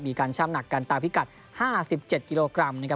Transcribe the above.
มีการช้ำหนักกันตามพิกัด๕๗กิโลกรัมนะครับ